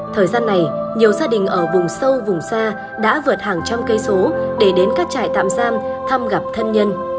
thời gian này nhiều gia đình ở vùng sâu vùng xa đã vượt hàng trăm cây số để đến các trại tạm giam thăm gặp thân nhân